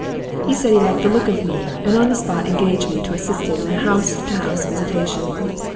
He said he liked the look of me, and on the spot engaged me to assist him in a house to house visitation.